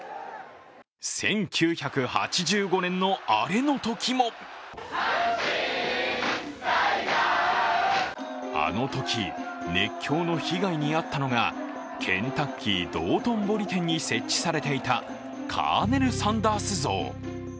１９８５年のアレのときもあのとき熱狂の被害に遭ったのがケンタッキー道頓堀店に設置されていたカーネル・サンダース像。